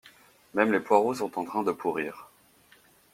Même les poireaux sont en train de pourrir.